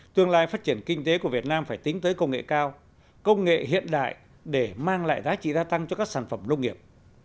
tương lai phát triển kinh tế của việt nam phải tính tới công nghệ cao công nghệ hiện đại để mang lại giá trị gia tăng cho các sản phẩm nông nghiệp